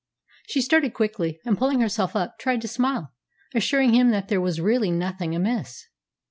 She started quickly, and, pulling herself up, tried to smile, assuring him that there was really nothing amiss.